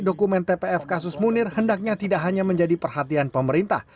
dokumen tpf kasus munir hendaknya tidak hanya menjadi perhatian pemerintah